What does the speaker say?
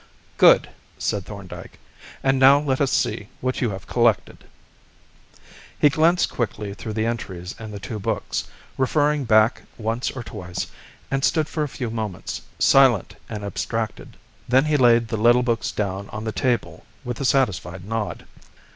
"Good!" said Thorndyke. "And now let us see what you have collected." He glanced quickly through the entries in the two books, referring back once or twice, and stood for a few moments silent and abstracted. Then he laid the little books down on the table with a satisfied nod.